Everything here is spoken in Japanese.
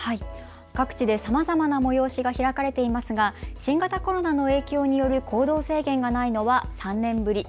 各地でさまざまな催しが開かれていますが新型コロナの影響による行動制限がないのは３年ぶり。